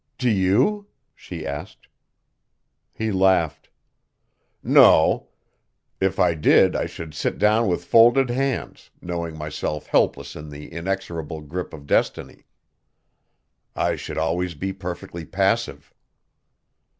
"Do you?" she asked. He laughed. "No. If I did I should sit down with folded hands, knowing myself helpless in the inexorable grip of destiny. I should always be perfectly passive."